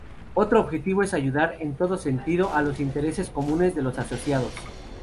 Otro objetivo es ayudar en todo sentido a los intereses comunes de los asociados.